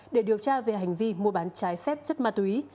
để điều tra về hành vi mua bán trái phép chất ma túy